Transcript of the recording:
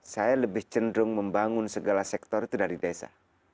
saya lebih cenderung membangun segala sektor itu dari desa